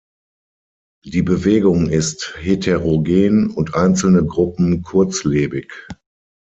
Die Bewegung ist heterogen und einzelne Gruppen kurzlebig.